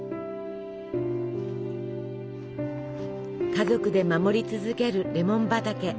家族で守り続けるレモン畑。